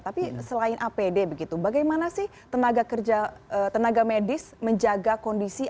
tapi selain apd begitu bagaimana sih tenaga medis menjaga kondisi